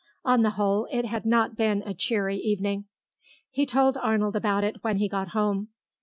On the whole, it had not been a cheery evening. He told Arnold about it when he got home.